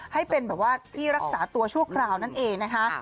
ให้เป็นแบบว่าที่รักษาตัวชั่วคราวนั่นเองนะคะ